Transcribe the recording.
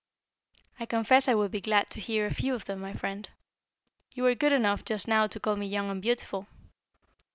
"I confess I would be glad to hear a few of them, my friend. You were good enough just now to call me young and beautiful.